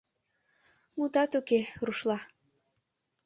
Мутат уке — рушла.